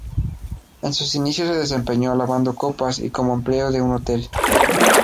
En sus inicio se desempeñó lavando copas y como empleado de un hotel.